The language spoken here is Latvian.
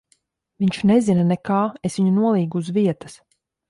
Viņš nezina nekā. Es viņu nolīgu uz vietas.